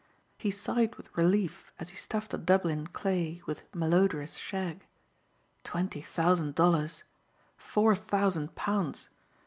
He sighed with relief as he stuffed a Dublin clay with malodorous shag. Twenty thousand dollars! Four thousand pounds!